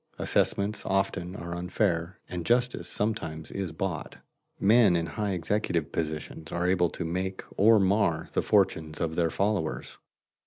Assessments often are unfair, and justice sometimes is bought. Men in high executive positions are able to make or mar the fortunes of their followers.